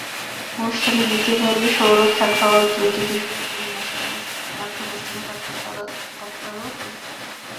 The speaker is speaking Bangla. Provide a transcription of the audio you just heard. অনুষ্ঠানের দ্বিতীয় পর্বে সৌরভ শাখাওয়াত রচিত শিশুতোষ নাট্যানুষ্ঠান কাকতাড়ুয়া প্রদর্শিত হয়।